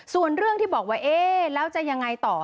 ส่วนเรื่องที่บอกว่าเอ๊ะแล้วจะยังไงต่อ